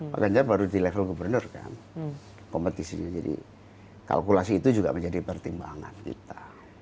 pak ganjar baru di level gubernur kan kompetisinya jadi kalkulasi itu juga menjadi pertimbangan kita